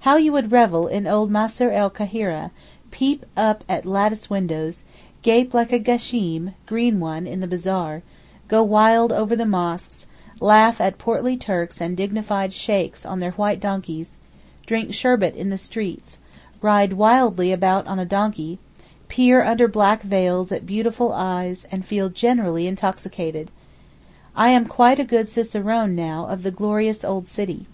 How you would revel in old Masr el Kahira, peep up at lattice windows, gape like a gasheem (green one) in the bazaar, go wild over the mosques, laugh at portly Turks and dignified Sheykhs on their white donkeys, drink sherbet in the streets, ride wildly about on a donkey, peer under black veils at beautiful eyes and feel generally intoxicated! I am quite a good cicerone now of the glorious old city.